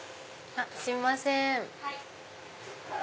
すいません。